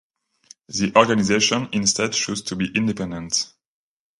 The organization instead chose to be independent.